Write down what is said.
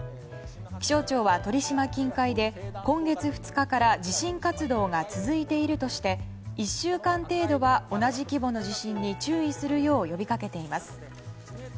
気象庁は鳥島近海で今月２日から地震活動が続いているとして１週間程度は同じ規模の地震に注意するよう呼び掛けています。